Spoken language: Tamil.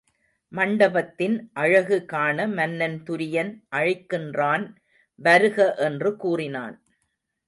மண்டபத்தின் அழகுகாண மன்னன் துரியன் அழைக்கின்றான் வருக என்று கூறினான்.